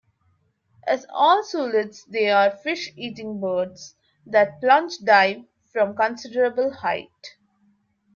As all Sulids, they are fish-eating birds that plunge-dive from considerable height.